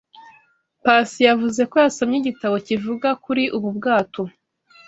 Pacy yavuze ko yasomye igitabo kivuga kuri ubu bwato.